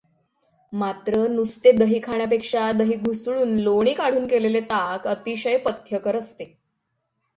मात्र नुसते दही खाण्यापेक्षा दही घुसळून लोणी काढून घेतलेले ताक अतिशय पथ्यकर असते.